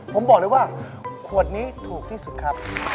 ผมบอกเลยว่าขวดนี้ถูกที่สุดครับ